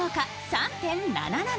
３．７７。